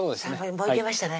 もういけましたね